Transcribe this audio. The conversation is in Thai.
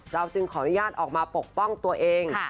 จึงขออนุญาตออกมาปกป้องตัวเอง